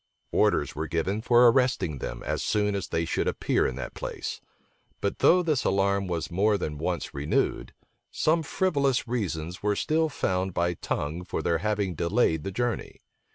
Orders were given for arresting them, as soon as they should appear in that place: but though this alarm was more than once renewed, some frivolous reasons were still found by Tongue for their having delayed the journey.